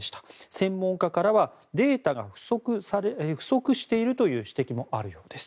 専門家からはデータが不足しているという指摘もあるようです。